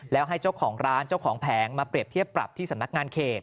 แล้วให้เจ้าของร้านเจ้าของแผงมาเปรียบเทียบปรับที่สำนักงานเขต